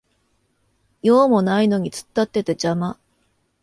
用もないのに突っ立ってて邪魔